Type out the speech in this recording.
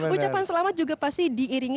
ucapan selamat juga pasti diiringi